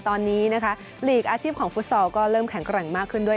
ตอนนี้นะคะลีกอาชีพของฟุตซอลก็เริ่มแข็งแกร่งมากขึ้นด้วย